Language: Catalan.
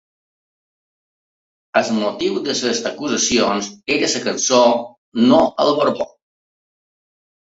El motiu de les acusacions era la cançó ‘No al borbó’.